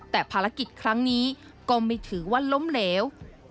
แต่ภารกิจครั้งนี้ก็ไม่ถือว่าล้มเหลว